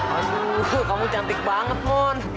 aduh kamu cantik banget moon